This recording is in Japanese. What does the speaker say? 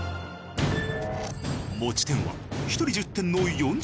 持ち点は１人１０点の４０点満点。